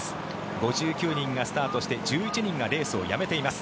５９人がスタートして１１人がレースをやめています。